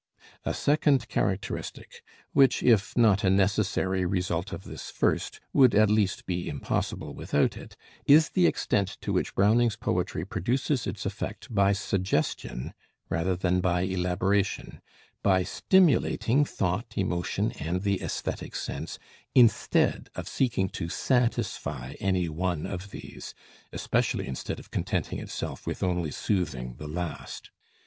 A second characteristic, which, if not a necessary result of this first, would at least be impossible without it, is the extent to which Browning's poetry produces its effect by suggestion rather than by elaboration; by stimulating thought, emotion, and the aesthetic sense, instead of seeking to satisfy any one of these especially instead of contenting itself with only soothing the last.